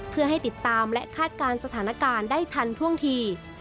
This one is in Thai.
เพื่อให้ติดตามและคาดการณ์สถานการณ์ได้ทันท่วงที